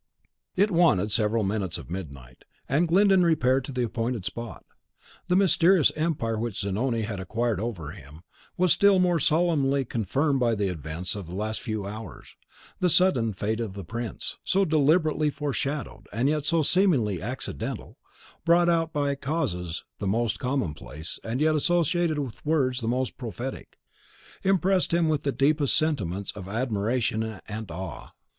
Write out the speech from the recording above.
Sandivogius. It wanted several minutes of midnight, and Glyndon repaired to the appointed spot. The mysterious empire which Zanoni had acquired over him, was still more solemnly confirmed by the events of the last few hours; the sudden fate of the prince, so deliberately foreshadowed, and yet so seemingly accidental, brought out by causes the most commonplace, and yet associated with words the most prophetic, impressed him with the deepest sentiments of admiration and awe.